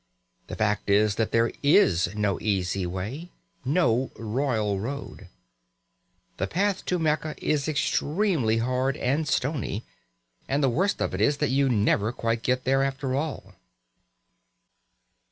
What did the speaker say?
The fact is that there is no easy way, no royal road. The path to Mecca is extremely hard and stony, and the worst of it is that you never quite get there after all.